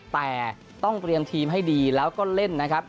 แต่ต้องเตรียมทีมให้ดีแล้วก็เล่นนะครับ